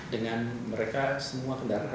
dengan mereka semua kendaraan